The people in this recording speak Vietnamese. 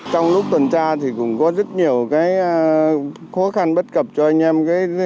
trong lúc tuần tra thì cũng có rất nhiều khó khăn bất cập cho anh em